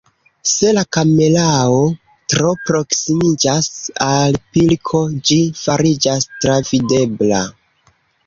Se la kamerao tro proksimiĝas al pilko, ĝi fariĝas travidebla.